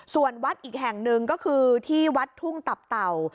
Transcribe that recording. ส่วนวัดอีกแห่งหนึ่งก็คือที่วัดทุ่งตับเต่า